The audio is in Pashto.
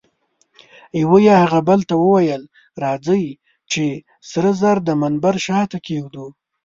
یوه یې هغه بل ته وویل: راځئ چي سره زر د منبر شاته کښېږدو.